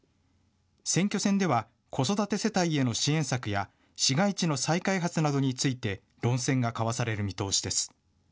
選挙戦では子育て世帯への支援策や市街地の再開発などについて論戦が交わされる見通しです。